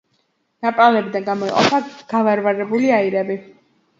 ნაპრალებიდან გამოიყოფა გავარვარებული აირები.